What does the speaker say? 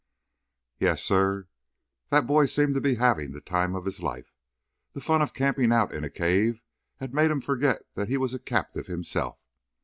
Yes, sir, that boy seemed to be having the time of his life. The fun of camping out in a cave had made him forget that he was a captive himself.